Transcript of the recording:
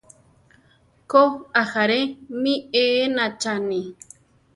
Ko, ajáre mi éenachani.